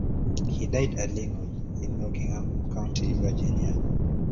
He died at Lynnwood in Rockingham County, Virginia.